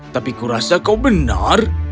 tapi kurasa kau benar